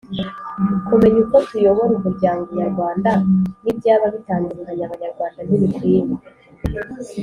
Kumenya uko tuyobora umuryango nyarwanda n ibyaba bitandukanya abanyarwanda ntibikwiye